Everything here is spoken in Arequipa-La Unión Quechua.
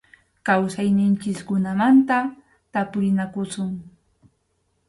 Kawsayninchikkunamanta tapurinakusun.